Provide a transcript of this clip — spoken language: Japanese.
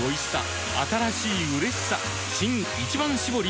新「一番搾り」